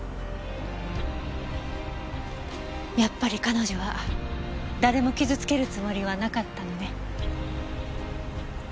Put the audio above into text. やっぱり彼女は誰も傷つけるつもりはなかったのね。